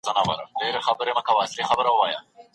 که ژوند تجربې ورکړي دا تعليم دی.